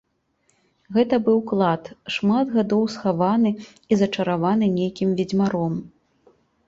Гэта быў клад, шмат гадоў схаваны і зачараваны нейкім ведзьмаром.